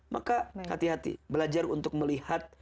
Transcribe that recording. maka hati hati belajar untuk melihat